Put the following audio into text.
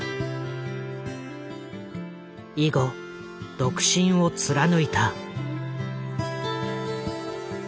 以後独身を貫いた。